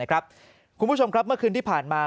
คุณผู้ชมครับเมื่อคืนที่ผ่านมา